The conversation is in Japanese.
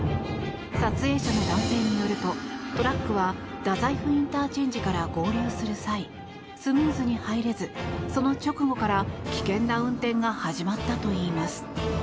撮影者の男性によるとトラックは太宰府ＩＣから合流する際スムーズに入れずその直後から危険な運転が始まったといいます。